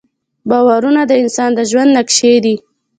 باورونه د انسان د ژوند نقشې دي.